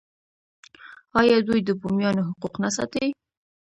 آیا دوی د بومیانو حقوق نه ساتي؟